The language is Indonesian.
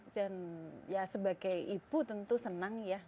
dan ya sebagai ibu tentu senang ya